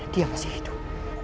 dia masih hidup